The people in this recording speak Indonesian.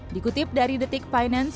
dikutip dari detik finance